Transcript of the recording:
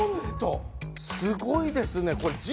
すごいですねこれ。